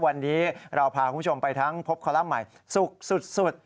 วันนี้เราพาคุณผู้ชมไปทั้งพบคอลัมป์ใหม่สุขสุด